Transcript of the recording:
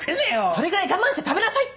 それぐらい我慢して食べなさいって！